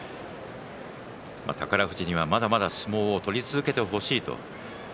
宝富士にはまだまだ相撲を取り続けてほしいと話していました。